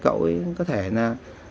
cậu ấy có thể là